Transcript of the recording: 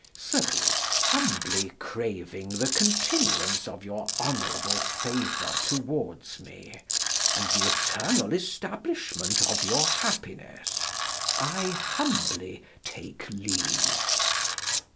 So humbly craving the continuance of your honourable favour towards me, and th' eternall establishment of your happines, I humbly take leave.